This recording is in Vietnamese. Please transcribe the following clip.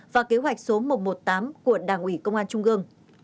và kế hoạch số một trăm một mươi tám của đảng ủy công an trung ương